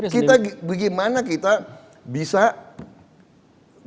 kita bagaimana kita bisa